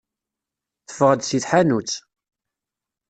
Teffeɣ-d seg tḥanut.